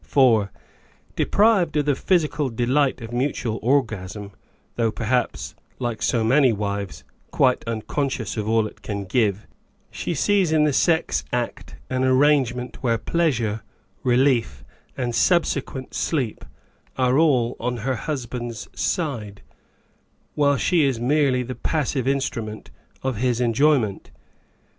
For, deprived of the physical delight of mutual orgasm (though, perhaps, like so many wives, quite unconscious of all it can give), she sees in the sex act an arrangement where pleasure, relief and subsequent sleep, are all on her husband's side, while she is merely the passive instru ment of his enjoyment.